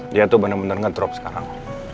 dia tuh bener bener ngedrop sekarang